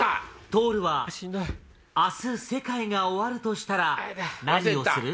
とおるは明日世界が終わるとしたら何をする？